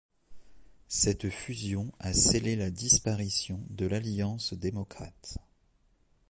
Cette fusion a scellé la disparition de l'Alliance démocrate.